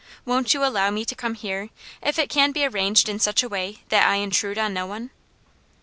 Won't you allow me to come here, if it can be arranged in such a way that I intrude on no one?'"